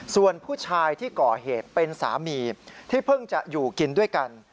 ส่วนผู้ชายที่ก่อเหตุเป็นสามีที่เพิ่งจะอยู่กินด้วยกัน